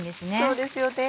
そうですよね。